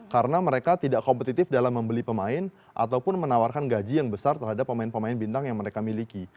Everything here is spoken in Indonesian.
karena mereka tidak kompetitif dalam membeli pemain ataupun menawarkan gaji yang besar terhadap pemain pemain bintang yang mereka miliki